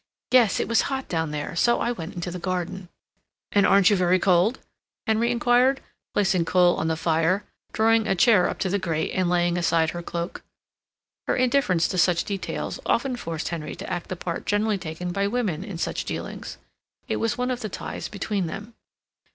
Yes, it was hot down there, so I went into the garden." "And aren't you very cold?" Henry inquired, placing coal on the fire, drawing a chair up to the grate, and laying aside her cloak. Her indifference to such details often forced Henry to act the part generally taken by women in such dealings. It was one of the ties between them.